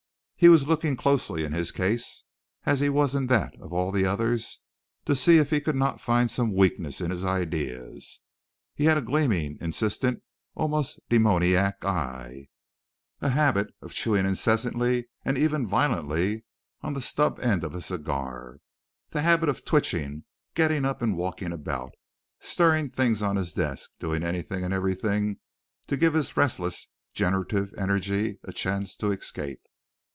He was looking closely in his case, as he was in that of all the others, to see if he could not find some weakness in his ideas. He had a gleaming, insistent, almost demoniac eye, a habit of chewing incessantly and even violently the stub end of a cigar, the habit of twitching, getting up and walking about, stirring things on his desk, doing anything and everything to give his restless, generative energy a chance to escape.